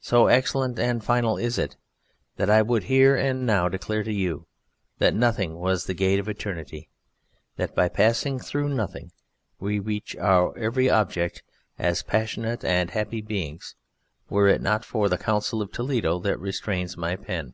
So excellent and final is it that I would here and now declare to you that Nothing was the gate of eternity, that by passing through Nothing we reached our every object as passionate and happy beings were it not for the Council of Toledo that restrains my pen.